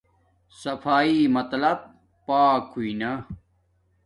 صفایݵ مطلب پاک ہوݵ نا